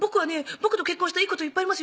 僕と結婚したらいいこといっぱいありますよ」